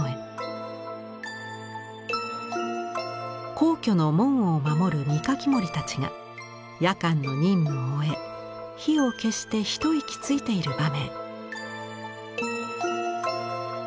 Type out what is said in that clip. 皇居の門を守る御垣守たちが夜間の任務を終え火を消して一息ついている場面。